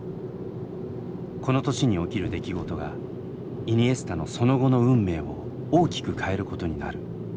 この年に起きる出来事がイニエスタのその後の運命を大きく変えることになる。